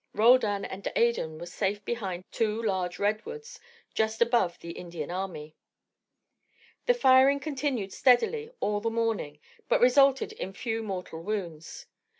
Roldan and Adan were safe behind two large redwoods just above the Indian army. The firing continued steadily all the morning, but resulted in few mortal wounds.